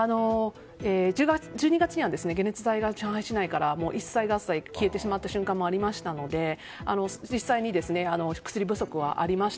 １２月には解熱剤が上海市内から一切合財消えてしまった瞬間もありましたので実際に薬不足はありました。